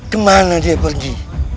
kemana dia pergi